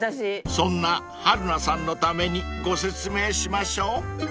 ［そんな春菜さんのためにご説明しましょう］